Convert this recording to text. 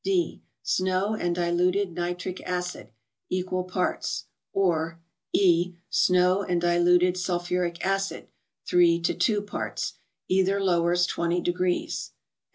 D. —Snow, and diluted nitric acid, equal parts ; or E. —Snow, and diluted sulphuric acid, 3 to 2 parts. Either lowers 20 degrees.